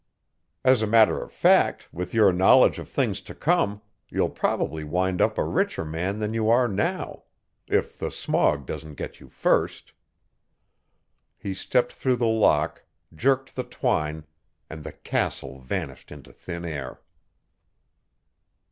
As a matter of fact, with your knowledge of things to come, you'll probably wind up a richer man than you are now if the smog doesn't get you first." He stepped through the lock, jerked the twine, and the "castle" vanished into thin air.